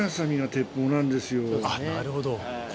なるほど。